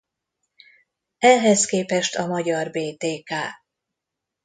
Ehhez képest a magyar Btk.